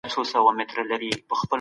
سیاست کله کله په دولت پورې تړل کیږي.